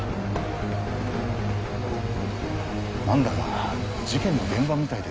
何だか事件の現場みたいですね